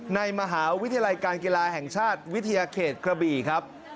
ในมหาวิทยาลัยการกีฬาแห่งชาติวิทยาเขตกระบี่ครับ